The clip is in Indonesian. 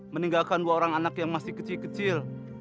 meninggalkan dua orang anak yang masih kecil kecil